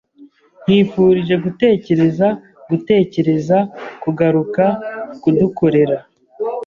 Nkwifurije gutekereza gutekereza kugaruka kudukorera.